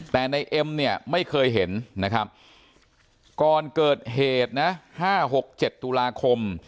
แต่ในเอ็มเนี่ยไม่เคยเห็นนะครับก่อนเกิดเหตุนะ๕๖๗ตุลาคม